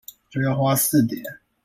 就要花四點